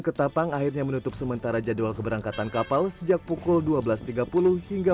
ketapang akhirnya menutup sementara jadwal keberangkatan kapal sejak pukul dua belas tiga puluh hingga